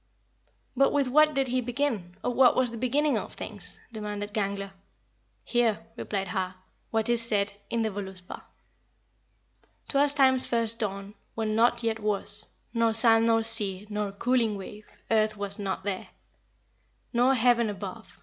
4. "But with what did he begin, or what was the beginning of things?" demanded Gangler. "Hear," replied Har, "what is said in the Voluspa." "'Twas time's first dawn, When nought yet was, Nor sand nor sea, Nor cooling wave; Earth was not there, Nor heaven above.